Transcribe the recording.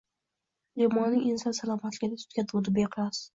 Limonning inson salomatligida tutgan o‘rni beqiyos.